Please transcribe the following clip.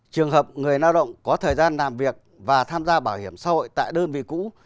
trường hợp người lao động có thời gian làm việc và tham gia bảo hiểm xã hội tại đơn vị cũ